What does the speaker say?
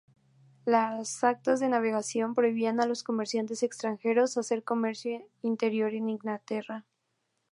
Las Actas de Navegación prohibían a los comerciantes extranjeros hacer comercio interior en Inglaterra.